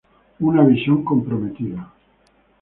Una visión comprometida".